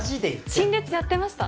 陳列やってました